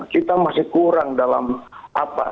kita masih kurang dalam apa